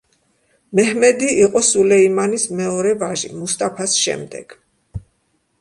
მეჰმედი იყო სულეიმანის მეორე ვაჟი მუსტაფას შემდეგ.